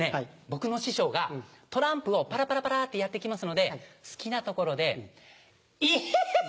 僕の師匠がトランプをパラパラパラってやって行きますので好きなところでイッヘッヘッヘッ。